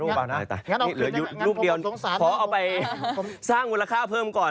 เราพบปกติสงสารนะครับผมขอคุณนะครับหลังจากนี้เดี๋ยวรูปเดียวขอเอาไปสร้างมูลค่าเพิ่มก่อน